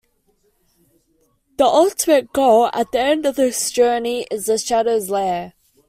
The ultimate goal at the end of this journey is "The Shadow's Lair".